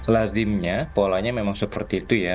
lazimnya polanya memang seperti itu ya